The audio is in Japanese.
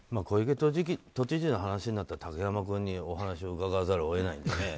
小池都知事の話になったら竹山君にお話を伺わざるを得ないので。